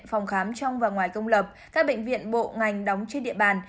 phòng khám trong và ngoài công lập các bệnh viện bộ ngành đóng trên địa bàn